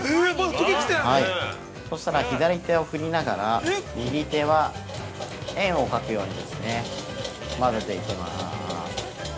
そしたら、左手を振りながら右手は円を描くように混ぜていきます。